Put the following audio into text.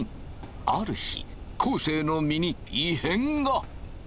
ある日昴生の身に異変が。